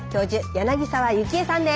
柳沢幸江さんです。